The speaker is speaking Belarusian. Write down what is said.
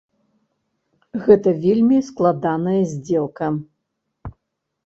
Гэта вельмі складаная здзелка.